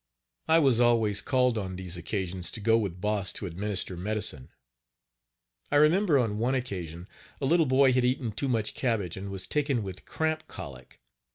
I was always called on these occasions to go with Boss to administer medicine. I remember on one occasion a little boy had eaten too much cabbage, and was taken with cramp colic.